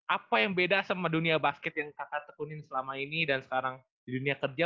apa yang beda sama dunia basket yang kakak tekunin selama ini dan sekarang di dunia kerja